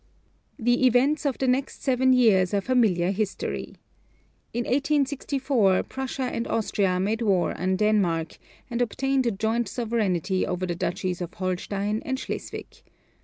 The events of the next seven years are familiar history. In 1864 Prussia and Austria made war on Denmark, and obtained a joint sovereignty over the duchies of Holstein and Schleswig.